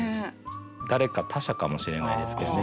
誰か他者かもしれないですけどね。